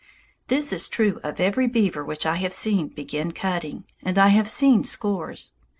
This is true of every beaver which I have seen begin cutting, and I have seen scores.